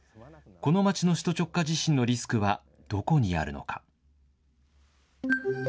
この町の首都直下地震のリスクはどこにあるのか。